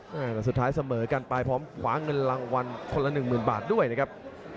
ไปล่าสุดที่เสมอกับนักชกญี่ปุ่นอย่างโยเนดาเทศจินดาแต่ไปปลายแซงเกือบผ่านครับ